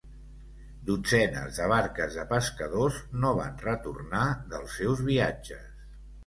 Dotzenes de barques de pescadors no van retornar dels seus viatges.